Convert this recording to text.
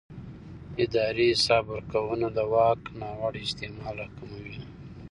اداري حساب ورکونه د واک ناوړه استعمال راکموي